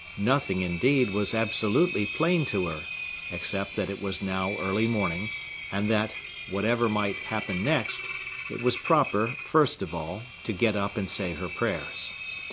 Nothing, indeed, was absolutely plain to her, except that it was now early morning, and that, whatever might happen next, it was proper, first of all, to get up and say her prayers.